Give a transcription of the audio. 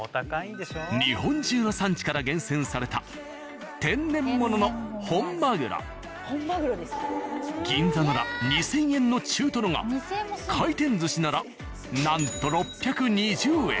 日本中の産地から厳選された銀座なら２０００円の中トロが回転寿司ならなんと６２０円。